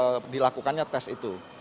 untuk dilakukannya tes itu